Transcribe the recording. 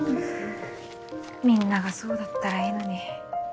みんながそうだったらいいのに。